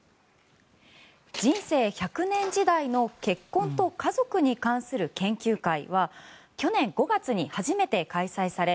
人生１００年時代の結婚と家族に関する研究会は去年５月に初めて開催され